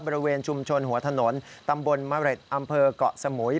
บริเวณชุมชนหัวถนนตำบลมะเร็ดอำเภอกเกาะสมุย